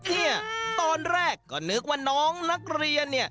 ตอนแรกก็นึกว่าน้องนักเรียน